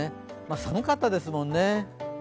寒かったですもんね。